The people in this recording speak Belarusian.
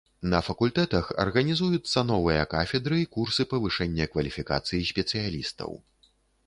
На факультэтах арганізуюцца новыя кафедры і курсы павышэння кваліфікацыі спецыялістаў.